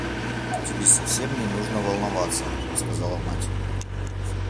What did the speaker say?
Тебе совсем не нужно волноваться, — сказала мать.